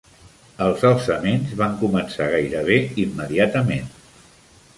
Els alçaments van començar gairebé immediatament.